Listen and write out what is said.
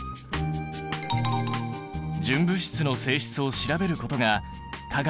純物質の性質を調べることが化学の重要な役割だ。